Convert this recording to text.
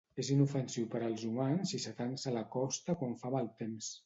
És inofensiu per als humans i s'atansa a la costa quan fa mal temps.